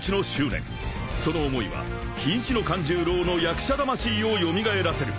［その思いは瀕死のカン十郎の役者魂を蘇らせる］